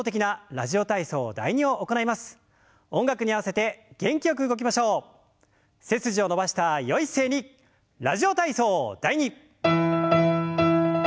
「ラジオ体操第２」。